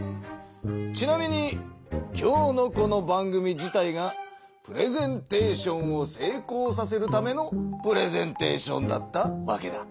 ちなみに今日のこの番組自体がプレゼンテーションをせいこうさせるためのプレゼンテーションだったわけだ。